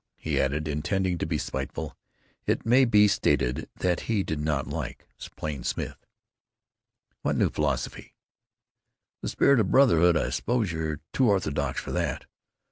he added, intending to be spiteful. It may be stated that he did not like Plain Smith. "What new philosophy?" "The spirit of brotherhood. I suppose you're too orthodox for that!"